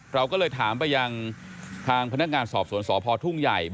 เราก็เลยถามไปยังทางพนักงานสอบสวนสพทุ่งใหญ่